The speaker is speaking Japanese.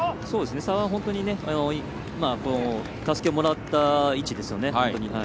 差は本当にたすきをもらった位置ですね。